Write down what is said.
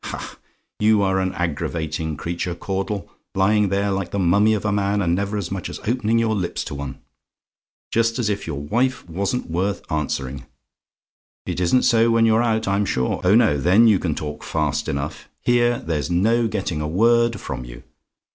"Ha! you are an aggravating creature, Caudle; lying there like the mummy of a man, and never as much as opening your lips to one. Just as if your own wife wasn't worth answering! It isn't so when you're out, I'm sure. Oh no! then you can talk fast enough; here, there's no getting a word from you.